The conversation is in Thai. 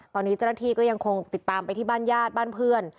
ตอนนี้เจ้าหน้าที่ก็ยังคงติดตามไปที่บ้านญาติบ้านเพื่อน